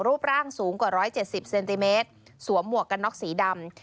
รูปร่างสูงกว่า๑๗๐เซนติเมตรสวมหมวกกันน็อกสีดำ